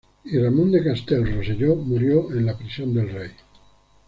Y Ramon de Castell Rosselló murió en la prisión del rey.